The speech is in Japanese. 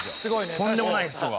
とんでもない人が。